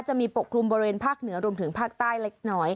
ปกคลุมบริเวณภาคเหนือรวมถึงภาคใต้เล็กน้อย